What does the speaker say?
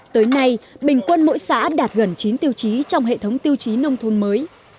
tới nay bình quân mỗi xã đạt gần chín tiêu chí trong hệ thống tiêu chí nông thôn mới